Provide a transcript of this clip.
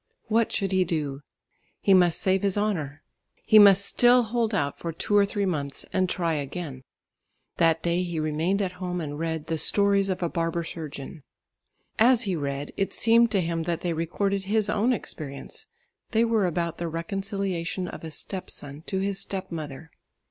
What should he do? He must save his honour. He must still hold out for two or three months and try again. That day he remained at home and read The Stories of a Barber Surgeon. As he read it seemed to him that they recorded his own experience; they were about the reconciliation of a step son to his step mother.